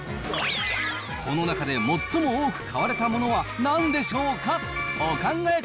この中で最も多く買われたものはなんでしょうか。